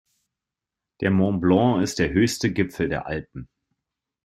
Der Mont Blanc ist der höchste Gipfel der Alpen.